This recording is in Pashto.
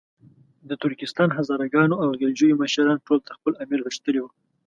د ترکستان، هزاره ګانو او غلجیو مشران ټول تر خپل امیر غښتلي وو.